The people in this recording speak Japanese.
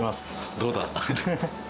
どうだ。